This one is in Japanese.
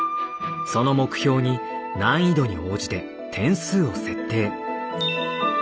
その目標に難易度に応じて点数を設定。